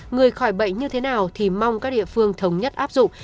người khỏi bệnh như thế nào thì mong các địa phương thống nhất áp dụng